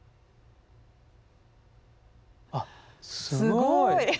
すごい！